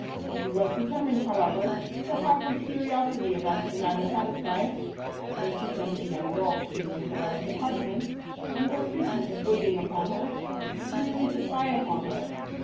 She was determined, however, to have her curiosity about the matter satisfied, so she sent a young girl to sleep in Flo rine's apartment, under pretence of waiting upon her, but really to spy upon her.